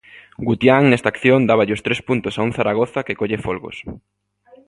Gutián nesta acción dáballe os tres puntos a un Zaragoza que colle folgos.